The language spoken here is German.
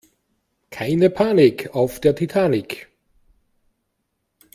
Keine Panik auf der Titanic!